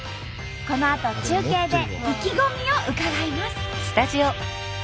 このあと中継で意気込みを伺います。